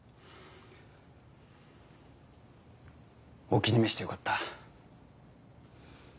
お気に召して良かった。